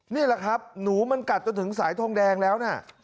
นี่แหละครับหนูมันกัดจนถึงสายทองแดงแล้วนะ